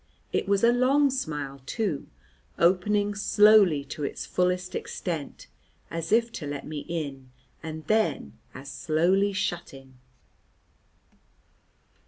It was a long smile, too, opening slowly to its fullest extent (as if to let me in), and then as slowly shutting.